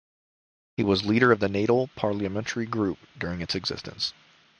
He was leader of the Natal Parliamentary Group during its existence.